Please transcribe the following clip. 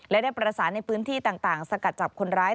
และได้ประสานในพื้นที่ต่างสกัดจับคนร้าย